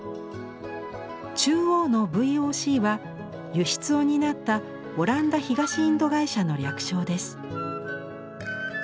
中央の「ＶＯＣ」は輸出を担ったオランダ東インド会社の略称です。